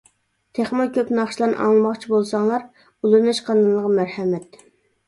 تېخىمۇ كۆپ ناخشىلارنى ئاڭلىماقچى بولساڭلار ئۇلىنىش قانىلىغا مەرھەمەت.